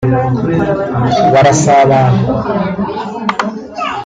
barasabana